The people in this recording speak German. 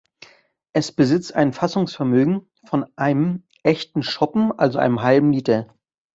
Es besitzt ein Fassungsvermögen von einem "echten" Schoppen, also einem halben Liter.